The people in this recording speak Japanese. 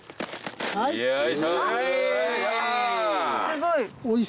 すごい。